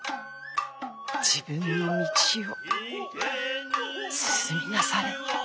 自分の道を進みなされ。